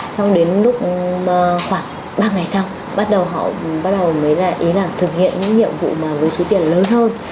xong đến lúc khoảng ba ngày sau bắt đầu họ bắt đầu mới là ý là thực hiện những nhiệm vụ mà với số tiền lớn hơn